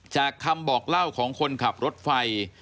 คำบอกเล่าของคนขับรถไฟ